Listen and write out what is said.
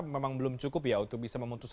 memang belum cukup ya untuk bisa memutus